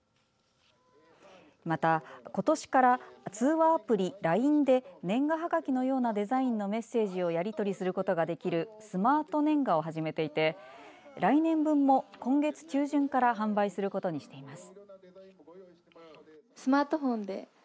また、ことしから通話アプリＬＩＮＥで年賀はがきのようなデザインのメッセージをやりとりすることができるスマートねんがを始めていて来年分も今月中旬から販売することにしています。